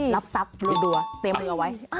รับทรัพย์รั่วเต็มมือไว้